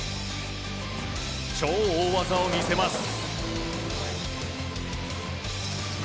超大技を見せます。